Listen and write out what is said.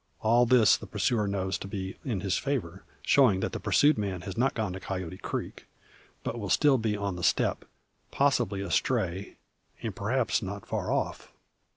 All this the pursuer knows to be in his favour; showing that the pursued man has not gone to Coyote creek, but will still be on the steppe, possibly astray, and perhaps not far off.